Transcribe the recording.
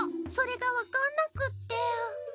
それがわかんなくって。